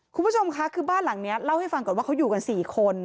คุณผู้ชมค่ะคือบ้านหลังนี้เล่าให้ฟังก่อนว่าเขาอยู่กัน๔คน